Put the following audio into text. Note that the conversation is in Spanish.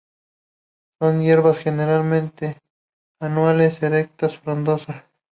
Son hierbas generalmente anuales, erectas, frondosas.